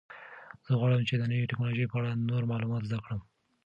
زه غواړم چې د نوې تکنالوژۍ په اړه نور معلومات زده کړم.